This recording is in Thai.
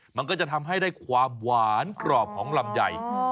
มันก็จะทำให้ได้ความหวานกรอบของลำไย